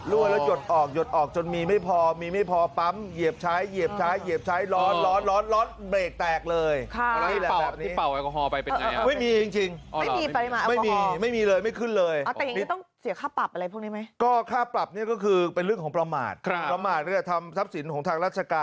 ล่วนแล้วหยดออกจนมีไม่พอมีไม่พอปั๊มเหยียบใช้เหยียบใช้เหยียบใช้